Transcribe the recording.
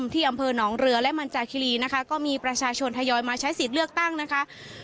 ที่อำเภอหนองเรือและมันจากคิรีนะคะก็มีประชาชนทยอยมาใช้สิทธิ์เลือกตั้งนะคะ